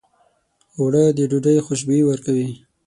اوړه د ډوډۍ خوشبويي ورکوي